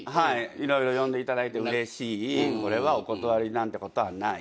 色々呼んでいただいてうれしいこれはお断りなんてことはない。